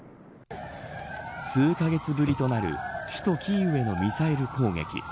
数カ月ぶりとなる首都キーウへのミサイル攻撃。